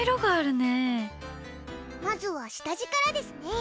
まずは下地からですね。